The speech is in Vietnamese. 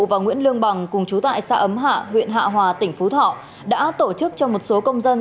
và nguyễn lương bằng cùng chú tại xã ấm hạ huyện hạ hòa tỉnh phú thọ đã tổ chức cho một số công dân